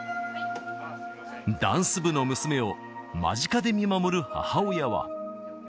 ダンス部の娘を、間近で見守る母親は。